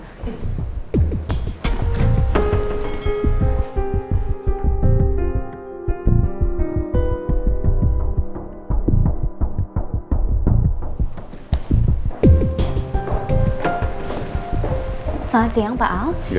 selamat siang pak al